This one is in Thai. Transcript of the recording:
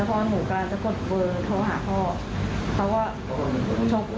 พ่อหนูกำลังจะกดเบอร์โทรหาพ่อเขาก็ชก